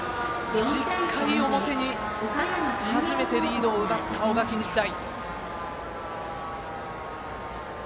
１０回表に初めてリードを奪った大垣日大。